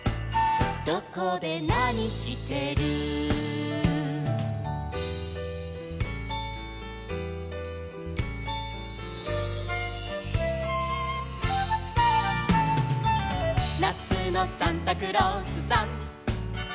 「どこでなにしてる」「なつのサンタクロースさん」